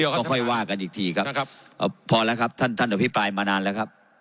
ก็ค่อยว่ากันอีกทีครับพอแล้วครับท่านท่านอภิปรายมานานแล้วครับ